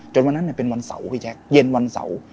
วันนั้นเป็นวันเสาร์พี่แจ๊คเย็นวันเสาร์